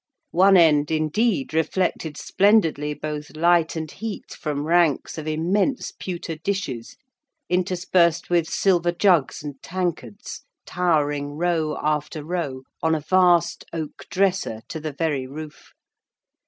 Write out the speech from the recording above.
One end, indeed, reflected splendidly both light and heat from ranks of immense pewter dishes, interspersed with silver jugs and tankards, towering row after row, on a vast oak dresser, to the very roof.